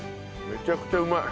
めちゃくちゃうまい！